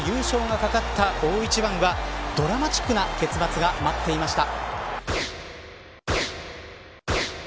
ヤクルトの優勝が懸かった大一番はドラマチックな結末が待っていました。